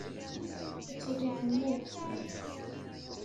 Ad tili temmut.